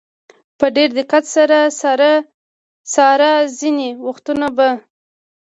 په ډېر دقت سره څاره، ځینې وختونه به.